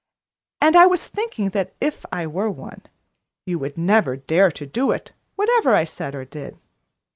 And I was thinking that if I were one, you would never dare to do it, whatever I said or did.